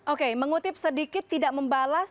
oke mengutip sedikit tidak membalas